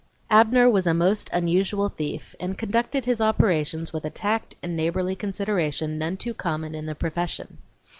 Abner was a most unusual thief, and conducted his operations with a tact and neighborly consideration none too common in the profession.